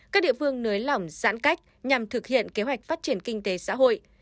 các địa phương nới lỏng giãn cách nhằm thực hiện kế hoạch phát triển kinh tế xã hội